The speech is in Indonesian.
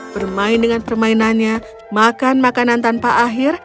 bermain dengan permainannya makan makanan tanpa akhir